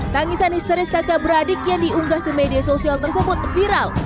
tangisan histeris kakak beradik yang diunggah ke media sosial tersebut viral